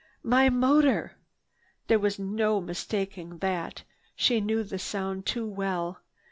"My motor!" There was no mistaking that. She knew the sound too well.